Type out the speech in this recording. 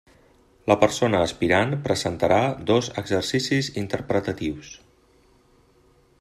La persona aspirant presentarà dos exercicis interpretatius.